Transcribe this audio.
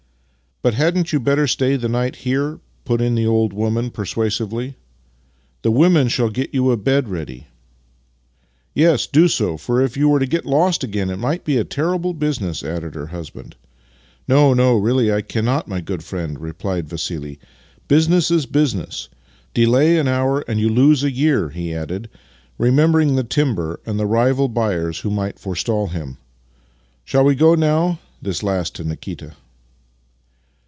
"" But hadn't you better stay the night here? " put in the old woman, persuasively. " The women shall get you a bed ready." " Yes, do so, for if you were to get lost again it might be a terrible business," added lier husband. " No, no, I really cannot, my good friend," replied Vassili. " Business is business. Delay an hour, and you lose a year," he added, remembering the timber and the rival buyers who might forestall him, " Shall v/e go now? " (this last to Nikita).